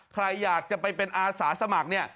ใครอยากจะไปเป็นอาสาสมัครเนี่ย